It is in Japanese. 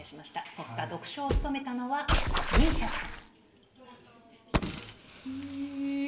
国歌独唱を務めたのはＭＩＳＩＡさん。